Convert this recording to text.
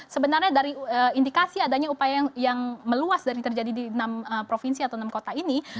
sebenarnya dari indikasi adanya upaya yang meluas dari terjadi di enam provinsi atau enam kota ini